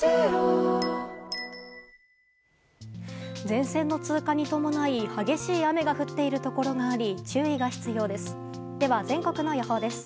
前線の通過に伴い、激しい雨が降っているところがあり注意が必要です。